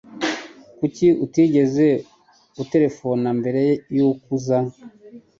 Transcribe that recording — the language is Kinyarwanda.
Kuki utigeze uterefona mbere yo kuza